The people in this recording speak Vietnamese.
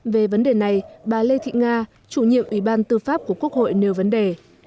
về vấn đề này bà lê thị nga chủ nhiệm ủy ban tư pháp của quốc hội nêu vấn đề